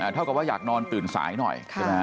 เท่ากับว่าอยากนอนตื่นสายหน่อย